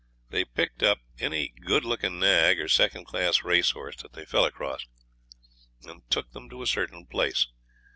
They picked up any good looking nag or second class racehorse that they fell across, and took them to a certain place.